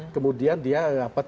kemudian dia tidak diberikan pejabat